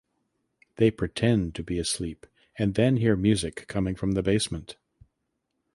They pretend to be asleep and then hear music coming from the basement.